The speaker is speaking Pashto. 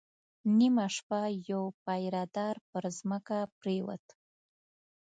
نيمه شپه يو پيره دار پر ځمکه پرېووت.